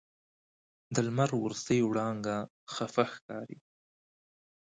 د لمر وروستۍ وړانګه خفه ښکاري